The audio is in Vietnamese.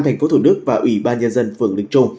tp hcm và ủy ban nhân dân phường linh trung